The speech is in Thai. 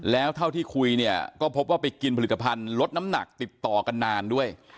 แล้วเท่าที่คุยเนี่ยก็พบว่าไปกินผลิตภัณฑ์ลดน้ำหนักติดต่อกันนานด้วย